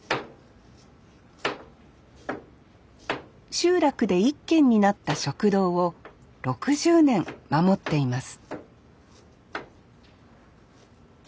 集落で一軒になった食堂を６０年守っています